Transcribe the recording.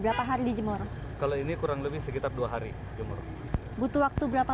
berapa hari dijemur kalau ini kurang lebih sekitar dua hari jemur butuh waktu berapa